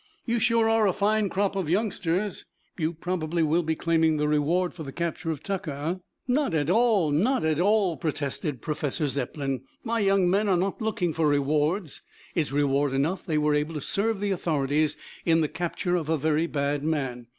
"You sure are a fine crop of youngsters. You probably will be claiming the reward for the capture of Tucker, eh?" "Not at all, not at all," protested Professor Zepplin. "My young men are not looking for rewards. It is reward enough that they were able to serve the authorities in the capture of a very bad man.